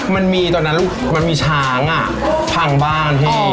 มันมีตอนนั้นลูกมันมีช้างพังบ้านพี่